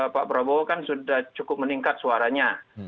pak prabowo kan sudah cukup meningkat suaranya